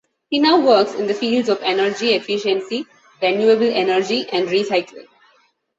He now works in the fields of energy efficiency, renewable energy and recycling.